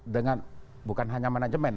dengan bukan hanya manajemen